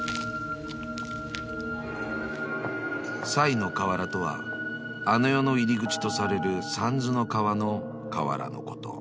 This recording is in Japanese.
［賽の河原とはあの世の入り口とされるさんずの川の河原のこと］